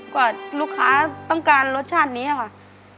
กว่าลูกค้าต้องการรสชาตินี้ค่ะ